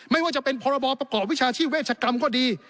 ไม่ว่าจะเป็นพรบประกอบวิชาชีพเวชกรรมก็ดี